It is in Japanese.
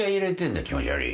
気持ち悪い。